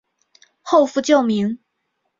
后复旧名。